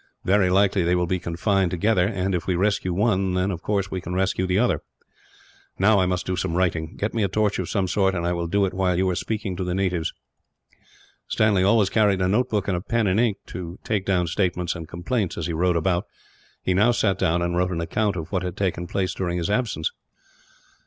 Very likely they will be confined together and, if we rescue one, we can of course rescue the other. "Now I must do some writing. Get me a torch of some sort, and I will do it while you are speaking to the natives." Stanley always carried a notebook and pen and ink, to take down statements and complaints, as he rode about. He now sat down and wrote an account of what had taken place during his absence.